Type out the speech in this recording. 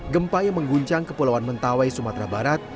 gempa yang mengguncang kepulauan mentawai sumatera barat